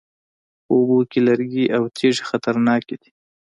په اوبو کې لرګي او تیږې خطرناکې دي